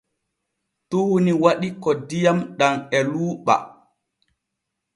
Tuuni waɗi ko diyam ɗam e luuɓa.